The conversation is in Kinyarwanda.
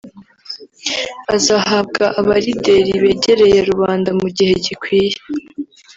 azahabwa Abalideri begereye rubanda mu gihe gikwiye